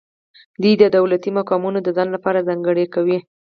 دوی دولتي مقامونه د ځان لپاره ځانګړي کوي.